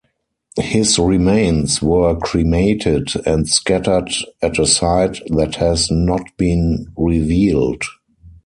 His remains were cremated and scattered at a site that has not been revealed.